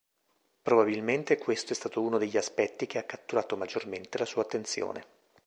Probabilmente questo è stato uno degli aspetti che ha catturato maggiormente la sua attenzione.